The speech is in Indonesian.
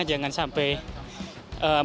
jangan sampai mengejar